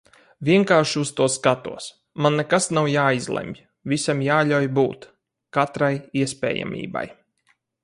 Vienkārši uz to skatos. Man nekas nav jāizlemj, visam jāļauj būt. Katrai iespējamībai.